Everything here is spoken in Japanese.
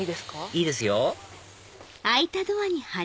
いいですよ